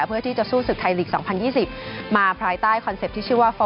เพื่อที่จะชู้ศึกไทยลีกสองพันยี่สิบมาภายใต้คอนเซปต์ที่ชื่อว่า